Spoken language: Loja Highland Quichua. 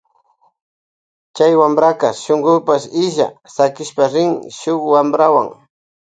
Chay wampraka shungupash illa sakishpa rirka shuk wamprawuan.